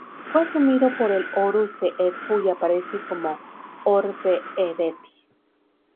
Fue asumido por el Horus de Edfu y aparece como Hor-Behedety.